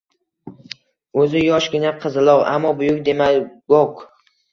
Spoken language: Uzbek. O‘zi yoshgina qizaloq, ammo buyuk demagog.